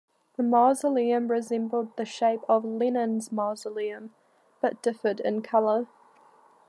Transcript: The mausoleum resembled the shape of Lenin's Mausoleum but differed in color.